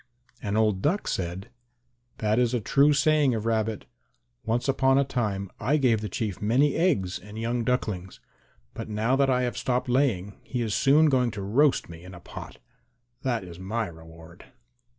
And old Duck said, "That is a true saying of Rabbit. Once upon a time I gave the Chief many eggs and young ducklings, but now that I have stopped laying he is soon going to roast me in a pot. That is my reward."